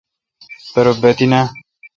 پر بہ تینہ۔